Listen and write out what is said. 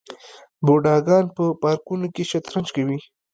بوډاګان په پارکونو کې شطرنج کوي.